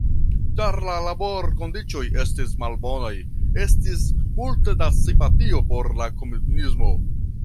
Ĉar la laborkondiĉoj estis malbonaj, estis multe da simpatio por la komunismo.